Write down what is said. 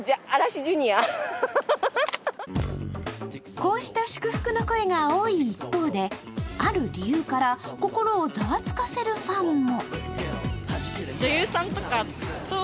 こうした祝福の声が多い一方である理由から心をざわつかせるファンも。